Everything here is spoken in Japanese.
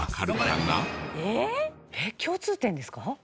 えっ共通点ですか？